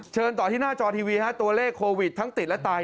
ต่อที่หน้าจอทีวีฮะตัวเลขโควิดทั้งติดและตาย